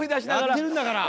やってるんだから！